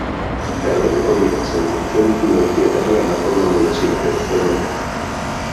Carod-Rovira se licenció en Filología Catalana por la Universidad de Barcelona.